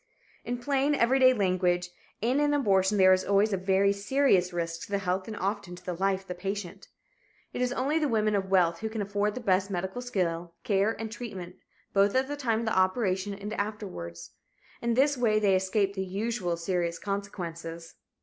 In plain, everyday language, in an abortion there is always a very serious risk to the health and often to the life of the patient. It is only the women of wealth who can afford the best medical skill, care and treatment both at the time of the operation and afterwards. In this way they escape the usual serious consequences.